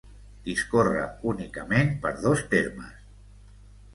Discorre únicament per dos termes: